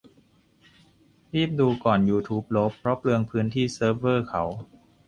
รีบดูก่อนยูทูบลบ เพราะเปลืองพื้นที่เซิร์ฟเวอร์เขา